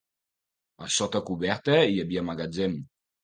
A sota coberta hi havia magatzem.